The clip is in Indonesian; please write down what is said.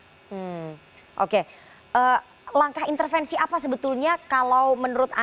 perrengan bundo juga yan contoh itu ada councilor le paradisi yang biasa dit puntus pointus ya